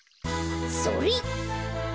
それ！